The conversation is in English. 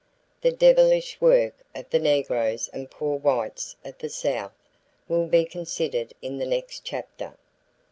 The devilish work of the negroes and poor whites of the South will be considered in the next chapter.